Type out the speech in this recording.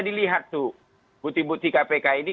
dilihat tuh putih putih kpk ini